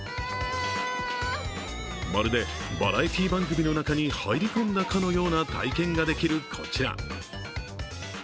まるだバラエティー番組の中に入り込んだかのような体験ができるこちら。